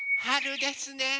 はるですね。